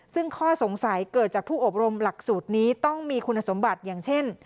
ซึ่งข้อสงสัยเกิดจากผู้อบรมหลักสูตรนี้ต้องมีคุณสมบัติอย่างเช่น